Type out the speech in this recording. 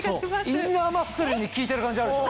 インナーマッスルに効いてる感じあるでしょ？